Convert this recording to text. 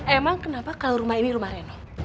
emang kenapa kalau rumah ini rumah reno